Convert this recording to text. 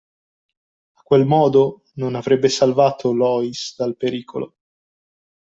A quel modo, non avrebbe salvato Loïs dal pericolo.